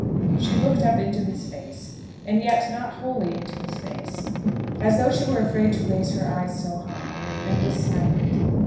She looked up into his face, and yet not wholly into his face, as though she were afraid to raise her eyes so high, and was silent.